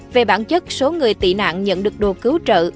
về bản chất số người tị nạn nhận được đồ cứu trợ